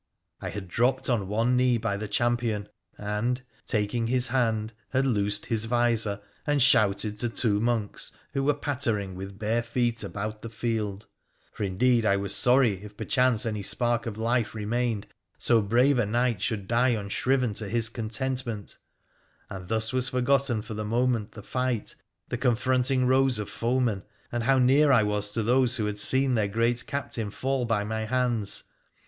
I had dropped on one knee by the champion, and, taking his hand, had loosed his visor, and shouted to two monks, who were pattering with bare feet about the field (for, p2 212 WONDERFUL ADVENTURES OF indeed, I was sorry, if perchance any spark of life remained, so brave a knight should die unshriven to his contentment), and thus was forgotten for the moment the fight, the confront ing rows of foemen, and how near I was to those who had seen their great captain fall by my hands.